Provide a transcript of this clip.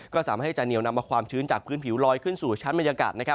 ก็สามารถให้จะเหนียวนำเอาความชื้นจากพื้นผิวลอยขึ้นสู่ชั้นบรรยากาศ